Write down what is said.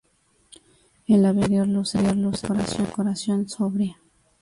El avión en su interior luce una decoración sobria.